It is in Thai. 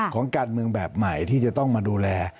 ของการเมืองแบบใหม่ที่จะต้องมาดูแล